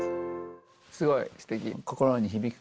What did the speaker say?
すごい、すてき。